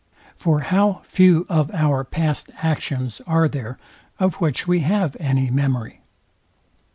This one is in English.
For how few of our past actions are there, of which we have any memory?